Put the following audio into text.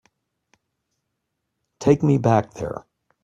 Take me back there.